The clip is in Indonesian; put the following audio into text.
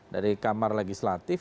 dari kamar legislatif